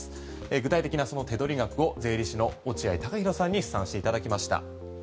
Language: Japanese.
具体的なその手取り額を税理士の落合孝裕さんに試算していただきました。